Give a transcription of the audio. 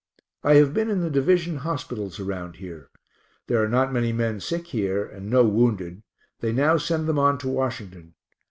I have been in the division hospitals around here. There are not many men sick here, and no wounded they now send them on to Washington.